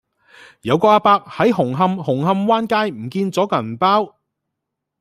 有個亞伯喺紅磡紅磡灣街唔見左個銀包